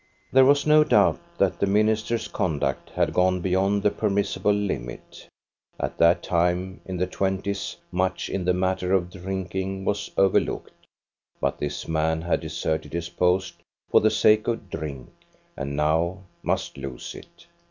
There was no doubt that the minister's conduct had gone beyond the permissible limit. At that time, in the twenties, much in the matter of drinking was over looked, but this man had deserted his post for the sake of drink, and now must lose it.